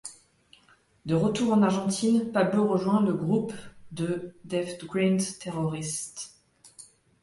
De retour en Argentine, Pablo rejoint le groupe de deathgrind Terrorist.